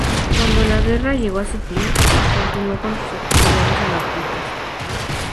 Cuando la guerra llegó a su fin, continuó con sus actividades anarquistas.